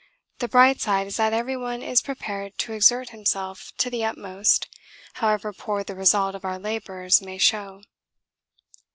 The bright side is that everyone is prepared to exert himself to the utmost however poor the result of our labours may show.